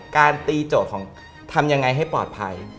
การตีโจทย์ของทำยังไงให้ปลอดภัย